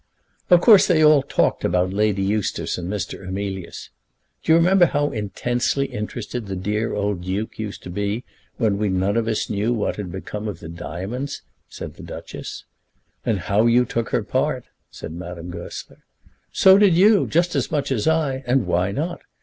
Of course they all talked about Lady Eustace and Mr. Emilius. "Do you remember how intensely interested the dear old Duke used to be when we none of us knew what had become of the diamonds?" said the Duchess. "And how you took her part," said Madame Goesler. "So did you, just as much as I; and why not?